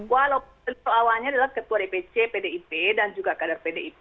walaupun awalnya adalah ketua dpc pdip dan juga kader pdip